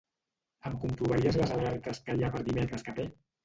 Em comprovaries les alertes que hi ha per dimecres que ve?